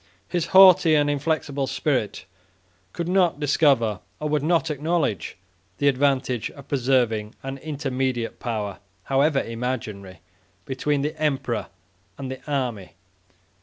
His haughty and inflexible spirit could not discover, or would not acknowledge, the advantage of preserving an intermediate power, however imaginary, between the emperor and the army.